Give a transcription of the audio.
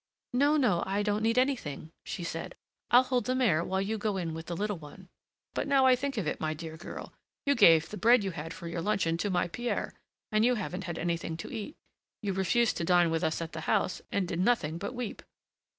"No, no, I don't need anything," she said, "I'll hold the mare while you go in with the little one." "But now I think of it, my dear girl, you gave the bread you had for your luncheon to my Pierre, and you haven't had anything to eat; you refused to dine with us at the house, and did nothing but weep."